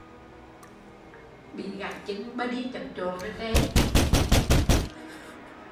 Bị gãy chưn đi chập choạng